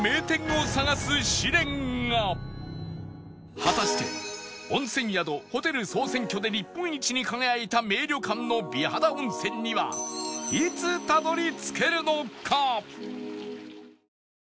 果たして温泉宿・ホテル総選挙で日本一に輝いた名旅館の美肌温泉にはいつたどり着けるのか？